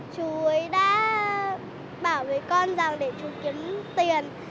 chú đã bảo với con rằng để chú kiếm tiền